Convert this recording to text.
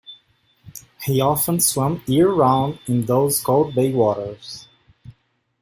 He often swam year round in those cold Bay waters.